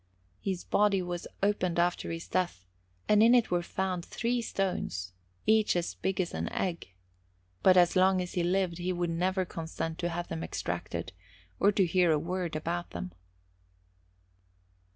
His body was opened after his death, and in it were found three stones, each as big as an egg; but as long as he lived he would never consent to have them extracted, or to hear a word about them.